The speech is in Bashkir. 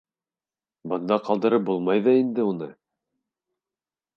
Бында ҡалдырып булмай ҙа инде уны?